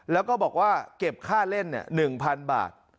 แล้วก็บอกว่าเก็บค่าเล่น๑๐๐๐บาท